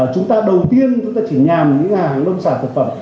chúng ta đầu tiên chúng ta chỉ nhằm những hàng nông sản thực phẩm